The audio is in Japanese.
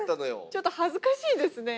ちょっと恥ずかしいですね。